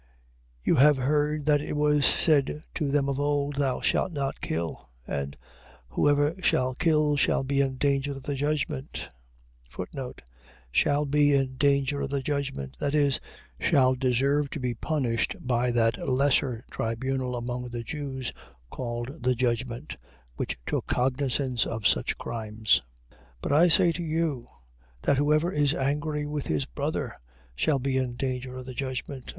You have heard that it was said to them of old: Thou shalt not kill. And whosoever shall kill, shall be in danger of the judgment. Shall be in danger of the judgment. . .That is, shall deserve to be punished by that lesser tribunal among the Jews, called the Judgment, which took cognizance of such crimes. 5:22. But I say to you, that whosoever is angry with his brother, shall be in danger of the judgment.